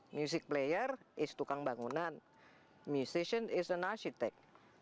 music player is tukang bangunan mucian is an arsitek